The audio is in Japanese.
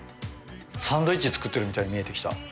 サンドイッチ作ってるみたいに見えてきた。